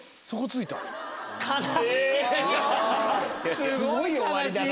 すごい終わりだな。